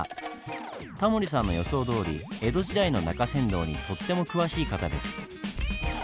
タモリさんの予想どおり江戸時代の中山道にとっても詳しい方です。